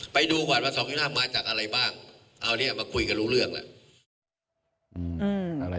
ไปดูก่อนว่า๒๕มาจากอะไรบ้างเอาเนี่ยมาคุยกันรู้เรื่องแล้ว